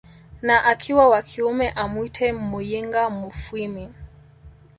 na akiwa wa kiume amwite Muyinga mufwimi